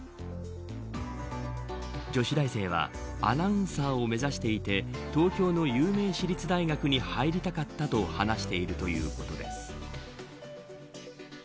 女子大生はアナウンサーを目指していて東京の有名私立大学に入りたかったと話しているということです。